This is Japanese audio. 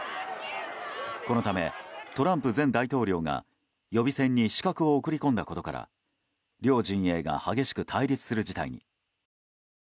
このため、トランプ前大統領が予備選に刺客を送り込んだことから両陣営が激しく対立する事態に。